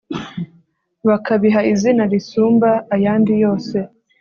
bakabiha izina risumba ayandi yose